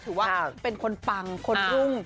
ถือว่าเป็นคนปังคนรุ่ง